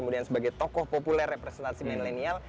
dan sebagai tokoh populer representasi millennial